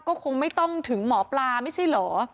ก็คงไม่ต้องถึงหมอปลาไม่ใช่เหรอ